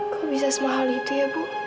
kok bisa semua hal itu ya bu